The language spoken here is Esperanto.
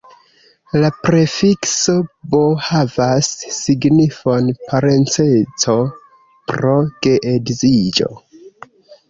La prefikso bo- havas signifon "parenceco pro geedziĝo".